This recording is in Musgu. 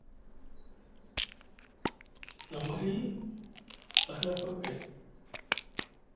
Na mihill a hila kir kay.